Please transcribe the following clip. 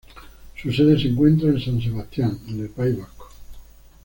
Su sede se encuentra en San Sebastián, en el País Vasco.